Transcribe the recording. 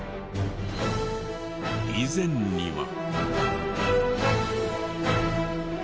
以前には。